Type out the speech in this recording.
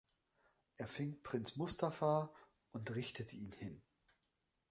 Er fing Prinz Mustafa und richtete ihn hin.